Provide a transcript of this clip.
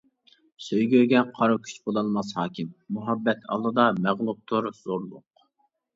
سۆيگۈگە قارا كۈچ بولالماس ھاكىم، مۇھەببەت ئالدىدا مەغلۇپتۇر زورلۇق.